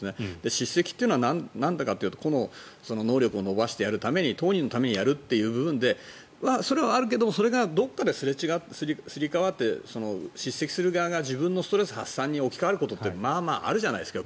叱責というのはなんでかというと個の能力を伸ばすために当人のためにやるそれはあるけどそれがどこかですり替わって叱責する側が自分のストレス発散に置き換わることがまああるじゃないですか。